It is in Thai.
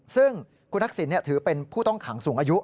ซึ่งคุณทักษิณถือเป็นผู้ต้องขังสูงอายุ